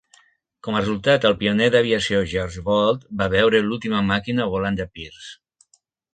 Com a resultat, el pioner d'aviació George Bolt va veure l'última màquina volant de Pearse.